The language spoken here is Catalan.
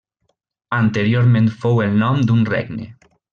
Anteriorment fou el nom d'un regne.